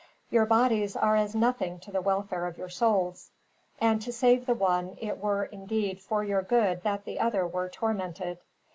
Your bodies are as nothing to the welfare of your souls; and to save the one it were, indeed, for your good that the other were tormented.